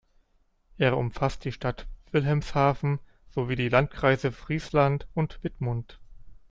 Er umfasst die Stadt Wilhelmshaven sowie die Landkreise Friesland und Wittmund.